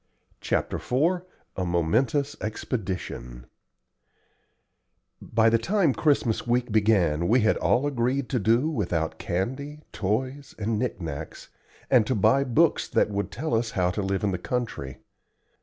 CHAPTER IV A MOMENTOUS EXPEDITION By the time Christmas week began we all had agreed to do without candy, toys, and knick knacks, and to buy books that would tell us how to live in the country.